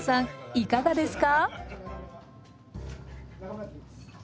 いかがですか？